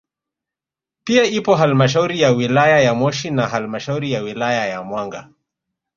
Pia ipo halmashauri ya wilaya ya Moshi na halmashauri ya wilaya ya Mwanga